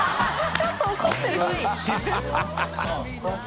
ちょっと怒ってるし。